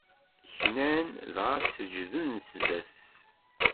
Knan, dɣa seǧǧden zdat-s.